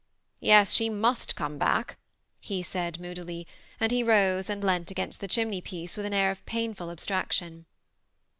'^Yes, she mtist come back," he said, moodily; and he rose and leaned against the chimney piece with an air of painful abstraction.